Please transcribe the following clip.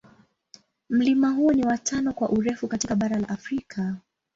Mlima huo ni wa tano kwa urefu katika bara la Afrika.